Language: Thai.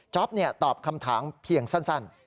ตอบคำถามเพียงสั้น